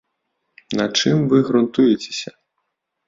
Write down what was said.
На чым вы грунтуецеся?